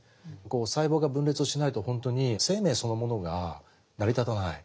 細胞が分裂をしないと本当に生命そのものが成り立たない。